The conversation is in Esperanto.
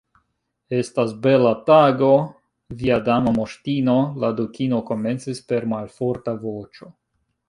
"Estas bela tago, via Dama Moŝtino," la Dukino komencis per malforta voĉo.